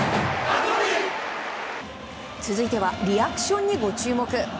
続いてはリアクションにご注目。